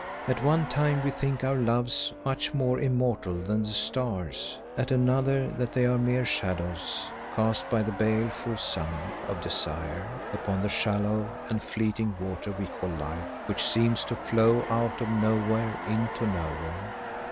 At one time we think our loves much more immortal than the stars; at another that they are mere shadows cast by the baleful sun of desire upon the shallow and fleeting water we call Life which seems to flow out of nowhere into nowhere.